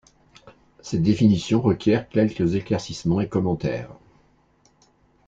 Cette définition requiert quelques éclaircissements et commentaires.